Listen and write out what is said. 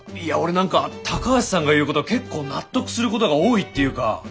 いや俺何か高橋さんが言うこと結構納得することが多いっていうか。